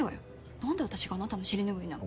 何であたしがあなたの尻拭いなんか。